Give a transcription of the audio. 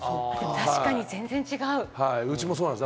確かに全然違う。